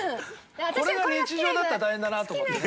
これが日常だったら大変だなと思ってね。